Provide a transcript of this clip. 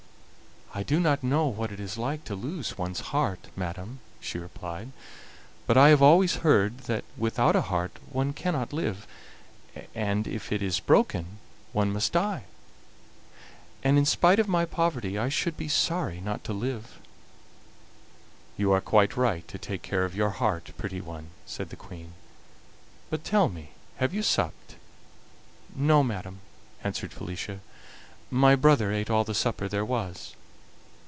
"I do not know what it is like to lose one's heart, madam," she replied; "but I have always heard that without a heart one cannot live, and if it is broken one must die; and in spite of my poverty I should be sorry not to live." "You are quite right to take care of your heart, pretty one," said the Queen. "But tell me, have you supped?" "No, madam," answered Felicia; "my brother ate all the supper there was."